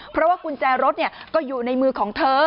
เพราะว่ากุญแจรถก็อยู่ในมือของเธอ